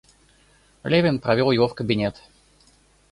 Левин провел его в кабинет.